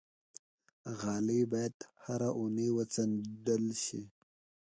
غالۍ باید هره اونۍ وڅنډل شي.